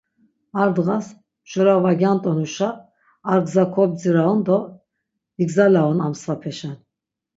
Ar dğas, mjora va gyant̆onuşa ar gza kobdziraun do vigzalaun am svapeşen.